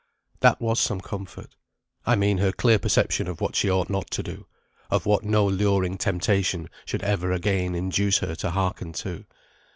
That was some comfort: I mean her clear perception of what she ought not to do; of what no luring temptation should ever again induce her to hearken to.